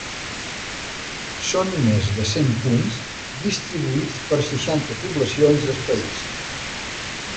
Són més de cent punts distribuïts per seixanta poblacions del país.